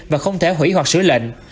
và không thể hủy hoặc sửa lệnh